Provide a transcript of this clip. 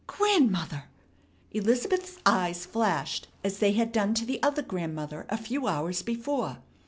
"Grandmother!" Elizabeth's eyes flashed as they had done to the other grandmother a few hours before.